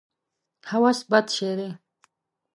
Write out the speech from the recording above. هوس بد شی دی.